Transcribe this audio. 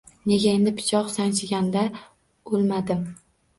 Nega endi pichoq sanchishganda o‘lmadim?